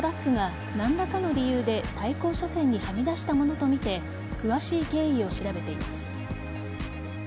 警察は、一方のトラックが何らかの理由で対向車線にはみ出したものとみて詳しい経緯を調べています。